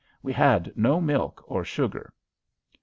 We had no milk or sugar.